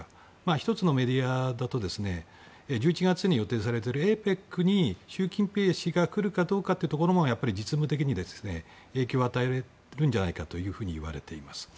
１つのメディアだと１１月に予定されているＡＰＥＣに習近平氏が来るかどうかということにも実務的に影響を与えるのではないかと言われています。